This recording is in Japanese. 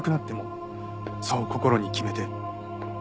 そう心に決めて。